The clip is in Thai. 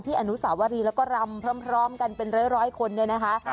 ที่อนุสาวรีและรำพร้อมกันเป็นหลายคน